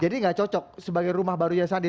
jadi nggak cocok sebagai rumah baru ya sandi